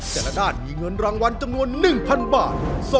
แต่ละด้านมีเงินรางวัลจำนวน๑๐๐บาท